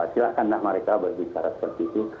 silahkanlah mereka berbicara seperti itu